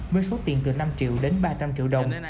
với số tiền từ năm triệu đến ba trăm linh triệu đồng